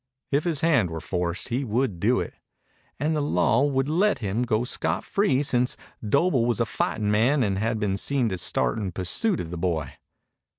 If his hand were forced he would do it. And the law would let him go scot free, since Doble was a fighting man and had been seen to start in pursuit of the boy.